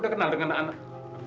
kenal dengan anak anak